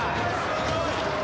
・すごい！